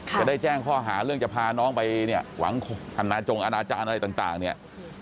จะได้แจ้งข้อหาเรื่องจะพาน้องไปเนี่ยหวังอนาจงอาณาจารย์อะไรต่างเนี่ย